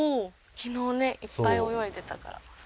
昨日ねいっぱい泳いでたから。